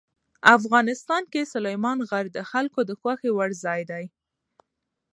افغانستان کې سلیمان غر د خلکو د خوښې وړ ځای دی.